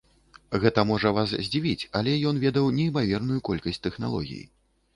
Гэта можа вас здзівіць, але ён ведаў неймаверную колькасць тэхналогій.